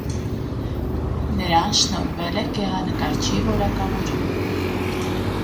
Նրան շնորհվել է գեղանկարչի որակավորում։